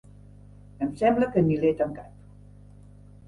Em sembla que ni l'he tancat.